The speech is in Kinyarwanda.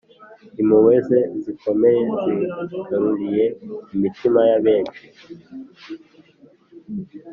Impuhwe ze zikomeye zigaruriye imitima ya benshi.